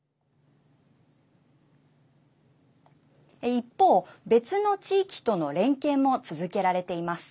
一方、別の地域との連携も続けられています。